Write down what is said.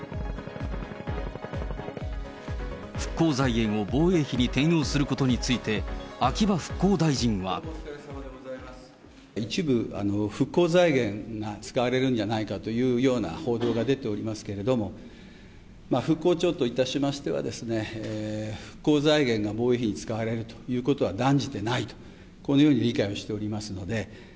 復興財源を防衛費に転用することについて、一部、復興財源が使われるんじゃないかというような報道が出ておりますけれども、復興庁といたしましてはですね、復興財源が防衛費に使われるということは断じてないと、このように理解をしておりますので。